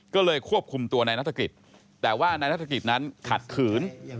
ก็เลยควบคุมตัวนายนัฐกิจแต่ว่านายนัฐกิจนั้นขัดขืน